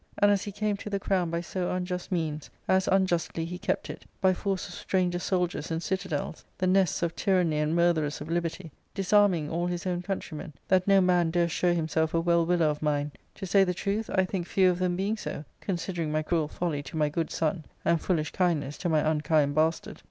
And as he came to the crown by so unjust means, as unjustly he kept \% by force of stranger soldiers in citadels, the nests of tyranny and murtherers of liberty ; disarming all his own countrymen^ that no man durst show himself a well wilier of mine : to say the truth, I think, few of them being so, considering my cruel folly to my good son, and foolish kindness to my unkind bastard.